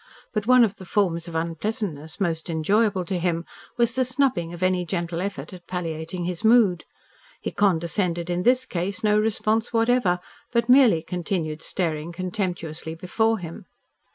But one of the forms of unpleasantness most enjoyable to him was the snubbing of any gentle effort at palliating his mood. He condescended in this case no response whatever, but merely continued staring contemptuously before him.